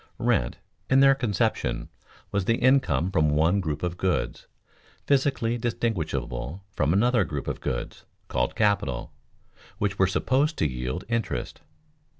Rent, in their conception, was the income from one group of goods, physically distinguishable from another group of goods, called capital, which were supposed to yield interest.